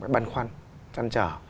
băn khoăn trăn trở